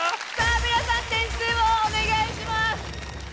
⁉皆さん点数をお願いします。